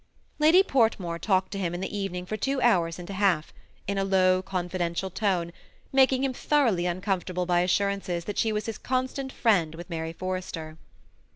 Lady Portmore talked to him in the evening for two hours and a half, in a low, confidential tone, making him thoroughly uncomfortable by assurances that she was his constant friend with Mary Forrester.